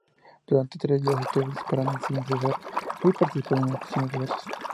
Durante tres días estuvo disparando sin cesar y participando en acciones diversas.